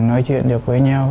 nói chuyện được với nhau